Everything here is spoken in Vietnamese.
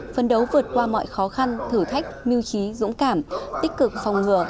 phấn đấu vượt qua mọi khó khăn thử thách mưu trí dũng cảm tích cực phòng ngừa